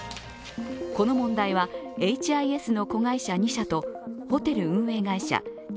この問題はエイチ・アイ・エスの子会社２社とホテル運営会社